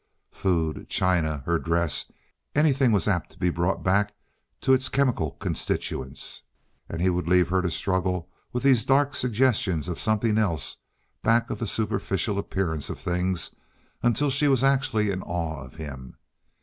Food, china, her dress, anything was apt to be brought back to its chemical constituents, and he would leave her to struggle with these dark suggestions of something else back of the superficial appearance of things until she was actually in awe of him.